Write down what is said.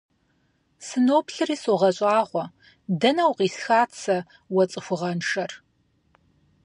Сыноплъри согъэщӀагъуэ: дэнэ укъисхат сэ уэ цӀыхугъэншэр?